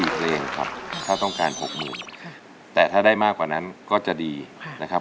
เพลงครับถ้าต้องการ๖๐๐๐แต่ถ้าได้มากกว่านั้นก็จะดีนะครับ